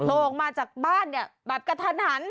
ออกมาจากบ้านเนี่ยแบบกระทันหัน